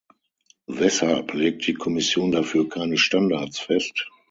Weshalb legt die Kommission dafür keine Standards fest?